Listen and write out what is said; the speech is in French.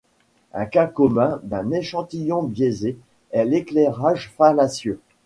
Un cas commun d'un échantillon biaisé est l'éclairage fallacieux.